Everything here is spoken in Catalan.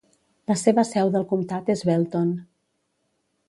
La seva seu del comtat és Belton.